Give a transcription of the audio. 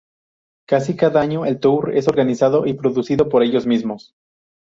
Casi cada año, el tour es organizado y producido por ellos mismos.